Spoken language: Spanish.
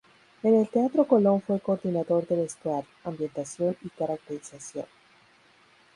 En el Teatro Colón fue Coordinador de Vestuario, Ambientación y Caracterización.